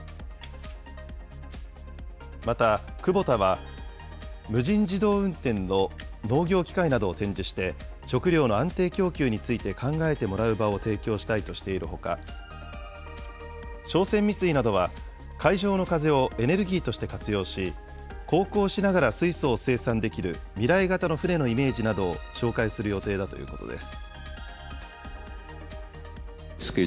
また、クボタは無人自動運転の農業機械などを展示して、食料の安定供給について考えてもらう場を提供したいとしているほか、商船三井などは海上の風をエネルギーとして活用し、航行しながら水素を生産できる未来型の船のイメージなどを紹介する予定だということです。